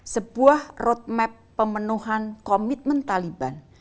sebuah roadmap pemenuhan komitmen taliban